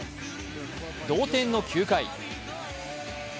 同点の９回。